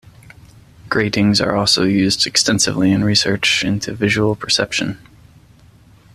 Gratings are also used extensively in research into visual perception.